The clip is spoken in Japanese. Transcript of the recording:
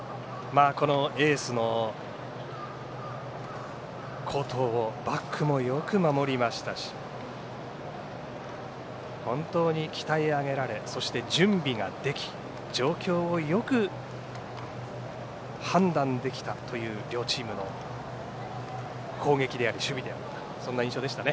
エースの好投をバックもよく守りましたし本当に鍛え上げられそして準備ができ状況をよく判断できたという両チームの攻撃であり守備であった。